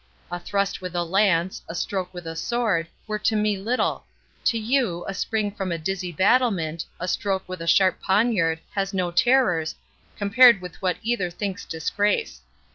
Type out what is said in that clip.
A thrust with a lance, a stroke with a sword, were to me little—To you, a spring from a dizzy battlement, a stroke with a sharp poniard, has no terrors, compared with what either thinks disgrace.